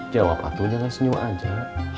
jawab patunya senyum aja